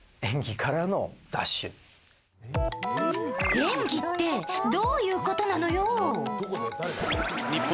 演技ってどういうことなのよ？